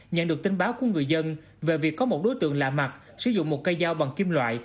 nhận được tin báo của người dân về việc có một đối tượng lạ mặt sử dụng một cây dao bằng kim loại